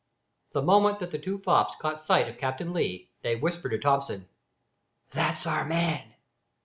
The moment that the two fops caught sight of Captain Lee, they whispered to Thomson "That's our man."